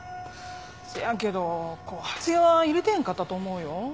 せやけどコハゼは入れてへんかったと思うよ。